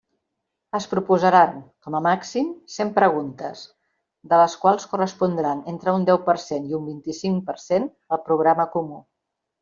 Es proposaran, com a màxim, cent preguntes, de les quals correspondran entre un deu per cent i un vint-i-cinc per cent al programa comú.